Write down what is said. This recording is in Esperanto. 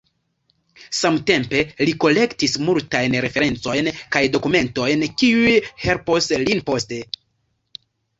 Samtempe li kolektis multajn referencojn kaj dokumentojn, kiuj helpos lin poste.